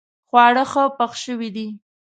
خواړه ښه پخ شوي دي